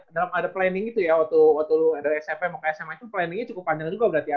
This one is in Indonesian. dalam ada planning itu ya waktu ada smp mau ke sma itu planningnya cukup panjang juga berarti ya